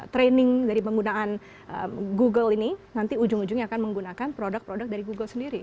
training dari penggunaan google ini nanti ujung ujungnya akan menggunakan produk produk dari google sendiri